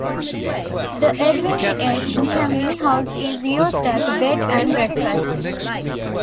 The Edwin H. Cheney House is used as a bed and breakfast.